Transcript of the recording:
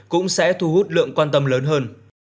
cũng sẽ thu hút lượng quan tâm lớn hơn